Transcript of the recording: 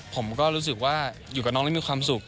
ผมก็รู้สึกว่าอยู่กับน้องได้มีความสุข